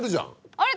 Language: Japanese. あれ？